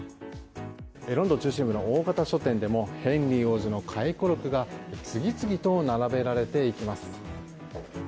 ロンドン中心部の大型書店でもヘンリー王子の回顧録が次々と並べられていきます。